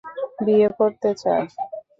বিয়ে করতে চায়!